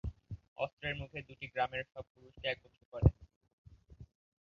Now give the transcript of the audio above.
অস্ত্রের মুখে দুটি গ্রামের সব পুরুষকে একত্র করে।